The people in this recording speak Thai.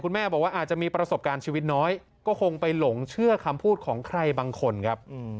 แม่บอกว่าอาจจะมีประสบการณ์ชีวิตน้อยก็คงไปหลงเชื่อคำพูดของใครบางคนครับ